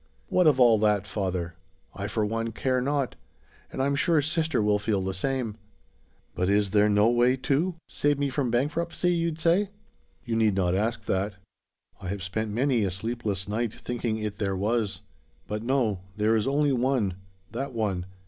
"What of all that, father? I, for one, care not; and I'm sure sister will feel the same. But is there no way to " "Save me from bankruptcy, you'd say? You need not ask that. I have spent many a sleepless night thinking it there was. But no; there is only one that one.